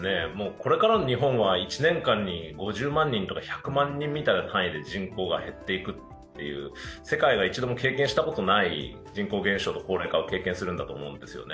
これからの日本は１年間に５０万人とか１００万人みたいな単位で人口が減っていくという世界が一度も経験したことがない人口減少と高齢化を経験するんだと思うんですよね。